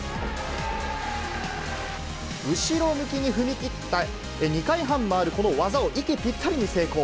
後ろ向きに踏み切って２回半回るこの技を息ぴったりに成功。